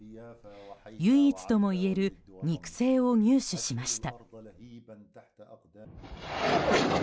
唯一ともいえる肉声を入手しました。